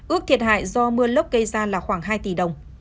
ước thiệt hại do mưa lốc gây ra là khoảng hai tỷ đồng